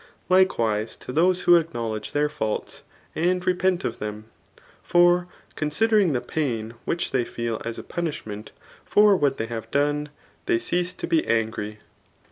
likewise, to those who ackno^edge £dieir &ults,3 and icpcm of them. Fer considering the pain which they feel as a punishment for what they have done, they cease to be angry.